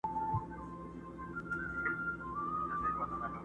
دېوالونه سوري كول كله كمال دئ!.